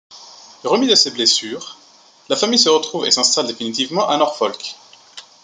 Remis de ses blessures, la famille se retrouve et s'installe définitivement à Norfolk.